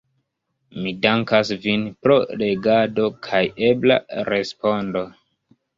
Mi dankas vin pro legado kaj ebla respondo.